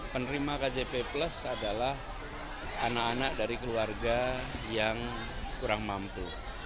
penerima kjp plus adalah anak anak dari keluarga yang kurang mampu